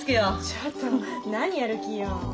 ちょっと何やる気よ？